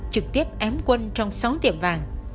trực tiếp ém quân trong sáu tiệm vàng